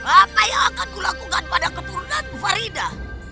apa yang akan kulakukan pada keturunanku farida